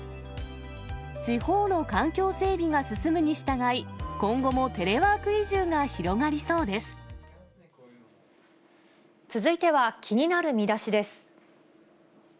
地方の環境整備が進むにしたがい、今後もテレワーク移住が広がりそ続いては気になるミダシです。